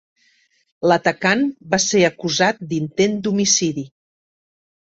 L"atacant va ser acusat d'intent d'homicidi.